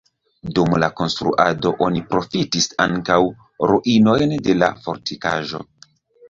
Dum la konstruado oni profitis ankaŭ ruinojn de la fortikaĵo.